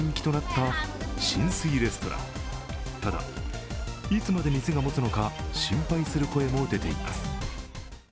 ただ、いつまで店がもつのか心配する声も出ています。